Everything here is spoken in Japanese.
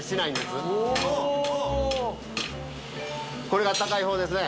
これが高いほうですね。